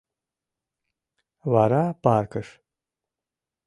Вара — паркыш.